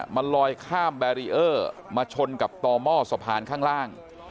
มันลอยข้ามแบรีเออร์มาชนกับต่อหม้อสะพานข้างล่าง